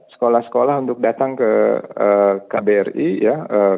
sekolah sekolah untuk datang ke kbri ya